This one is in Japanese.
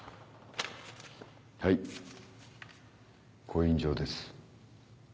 はい勾引状です。